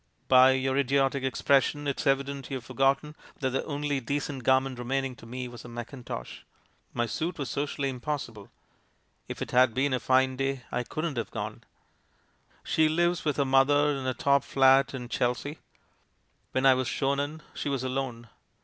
Bv vour idiotic expression it's evident you've forgotten that the only decent garment remaining to me was a mackintosh. ]My suit was socially im 58 THE MAN WHO UNDERSTOOD WOMEN possible ; if it had been a fine day I couldn't have gone. "She lives with her mother in a top flat in Chel sea. When I was shown in, she was alone.